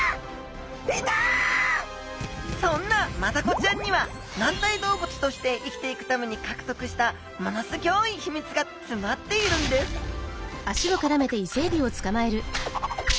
そんなマダコちゃんには軟体動物として生きていくためにかくとくしたものすギョいひみつがつまっているんですうわ